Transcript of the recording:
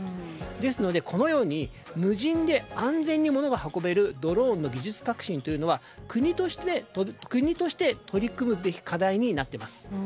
ですので、このように無人で安全に物を運べるドローンの技術革新というのは国として取り組むべき課題になっています。